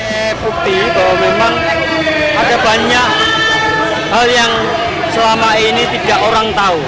ini bukti bahwa memang ada banyak hal yang selama ini tidak orang tahu